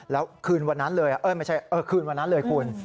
แล้วคืนวันนั้นเลยไม่ใช่คืนวันนั้นเลยคุณ